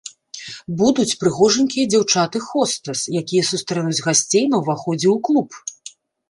Будуць прыгожанькія дзяўчаты-хостэс, якія сустрэнуць гасцей на ўваходзе ў клуб.